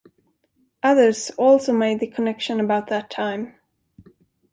Others also made the connection about that time.